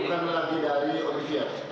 bukan lagi dari olifiat